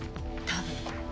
多分。